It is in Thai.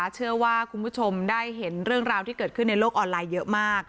เชื่อว่าคุณผู้ชมได้เห็นเรื่องราวที่เกิดขึ้นในโลกออนไลน์เยอะมาก